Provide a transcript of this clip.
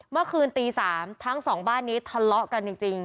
เมื่อคืนตี๓ทั้งสองบ้านนี้ทะเลาะกันจริง